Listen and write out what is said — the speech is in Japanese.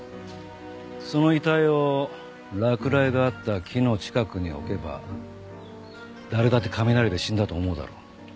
その遺体を落雷があった木の近くに置けば誰だって雷で死んだと思うだろう。